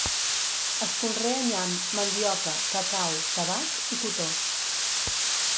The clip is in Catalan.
Es conrea nyam, mandioca, cacau, tabac i cotó.